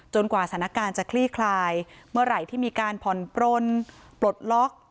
กว่าสถานการณ์จะคลี่คลายเมื่อไหร่ที่มีการผ่อนปลนปลดล็อก